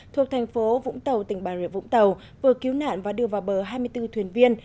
thuộc thành phố vũng tàu tỉnh bà rịa vũng tàu vừa cứu nạn và đưa vào bờ hai mươi bốn thuyền viên